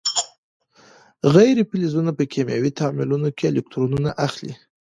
غیر فلزونه په کیمیاوي تعاملونو کې الکترونونه اخلي.